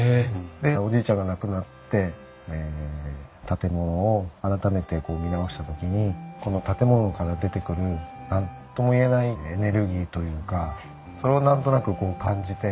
でおじいちゃんが亡くなって建物を改めて見直した時にこの建物から出てくる何とも言えないエネルギーというかそれを何となく感じて。